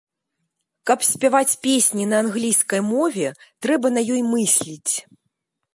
Каб спяваць песні на англійскай мове, трэба на ёй мысліць.